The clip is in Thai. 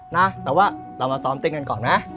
น่ะเราว่าเร้ามันสอบเต้นกันก่อนนะ